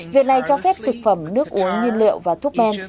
việc này cho phép thực phẩm nước uống nhiên liệu và thuốc men